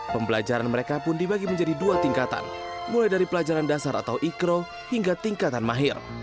pembelajaran mereka pun dibagi menjadi dua tingkatan mulai dari pelajaran dasar atau ikro hingga tingkatan mahir